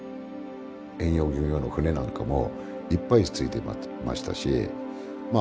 遠洋漁業の船なんかもいっぱいついてましたしまあ